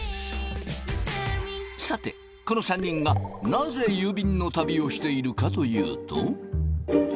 さてこの３人がなぜ郵便の旅をしているかというと？